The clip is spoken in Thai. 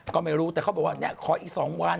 ก็ไม่รู้แต่เขาบอกว่าเนี่ยขออีก๒วัน